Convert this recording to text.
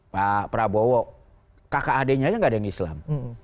pak prabowo kakak adiknya aja gak ada yang islam